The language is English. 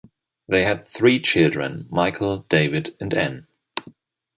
They had three children, Michael, David and Ann.